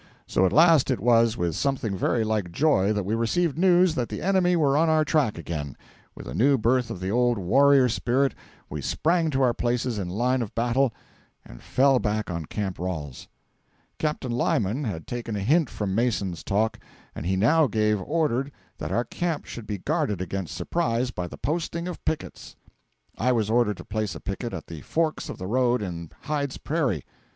So at last it was with something very like joy that we received news that the enemy were on our track again. With a new birth of the old warrior spirit, we sprang to our places in line of battle and fell back on Camp Ralls. Captain Lyman had taken a hint from Mason's talk, and he now gave orders that our camp should be guarded against surprise by the posting of pickets. I was ordered to place a picket at the forks of the road in Hyde's prairie.